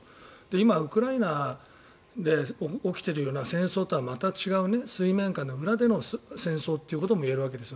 今、ウクライナで起きているような戦争とはまた違う水面下の裏での戦争ということも言えるわけですよ。